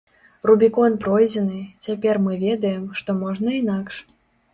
Рубікон пройдзены, цяпер мы ведаем, што можна інакш.